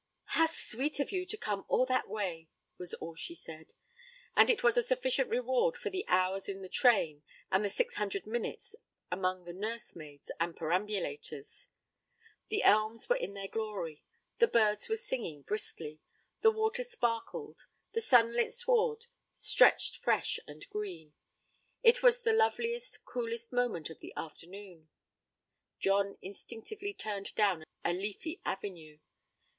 'How sweet of you to come all that way,' was all she said, and it was a sufficient reward for the hours in the train and the six hundred minutes among the nursemaids and perambulators. The elms were in their glory, the birds were singing briskly, the water sparkled, the sunlit sward stretched fresh and green it was the loveliest, coolest moment of the afternoon. John instinctively turned down a leafy avenue.